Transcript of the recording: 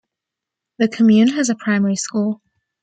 The commune has a primary school.